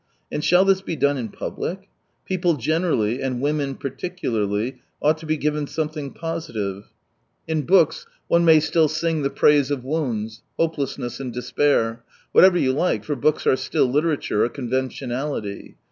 And shall this be done in public ? People generally, and women particularly, ought to be given something positive. In 195 books one may still sing the praise of wounds, hopelessness, and despair — whatever you like, for books are still literature, a conven tionality.